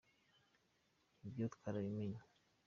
ibyo twarabimenye.